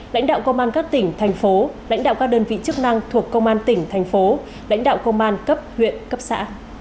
lãnh đạo công an các tỉnh thành phố lãnh đạo các đơn vị chức năng thuộc công an tỉnh thành phố lãnh đạo công an cấp huyện cấp xã